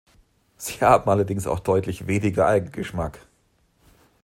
Sie haben allerdings auch deutlich weniger Eigengeschmack.